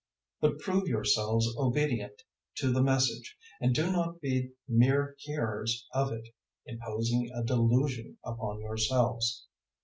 001:022 But prove yourselves obedient to the Message, and do not be mere hearers of it, imposing a delusion upon yourselves.